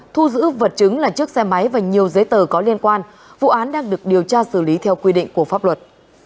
thu giữ vật chứng là chiếc xe máy và nhiều giấy tờ có liên quan vụ án đang được điều tra xử lý theo quy định của pháp luật